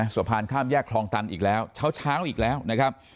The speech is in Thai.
สะพานข้ามแยกคลองตันอีกแล้วเช้าอีกแล้วนะครับ